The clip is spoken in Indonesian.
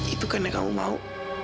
itu kan yang kamu mau